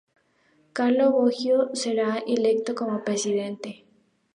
Carlo Boggio sería electo como Presidente.